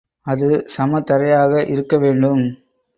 அது சம தரையாக இருக்க வேண்டும்.